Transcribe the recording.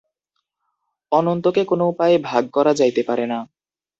অনন্তকে কোন উপায়ে ভাগ করা যাইতে পারে না।